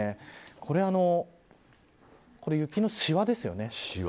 これ雪のしわですよね。